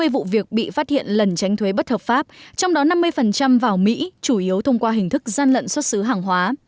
hai mươi vụ việc bị phát hiện lần tránh thuế bất hợp pháp trong đó năm mươi vào mỹ chủ yếu thông qua hình thức gian lận xuất xứ hàng hóa